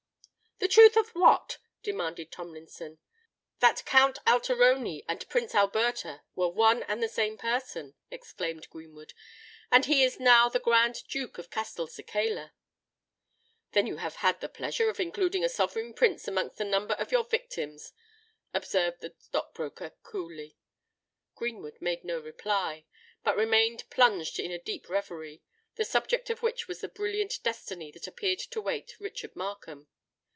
"The truth of what?" demanded Tomlinson. "That Count Alteroni and Prince Alberto were one and the same person," exclaimed Greenwood; "and he is now the Grand Duke of Castelcicala!" "Then you have had the pleasure of including a sovereign prince amongst the number of your victims," observed the stock broker, coolly. Greenwood made no reply, but remained plunged in a deep reverie, the subject of which was the brilliant destiny that appeared to await Richard Markham.